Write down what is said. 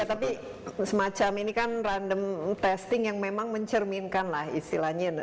ya tapi semacam ini kan random testing yang memang mencerminkanlah istilahnya